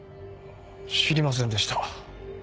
知りませんでした。